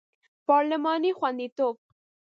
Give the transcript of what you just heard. پارلماني خوندیتوب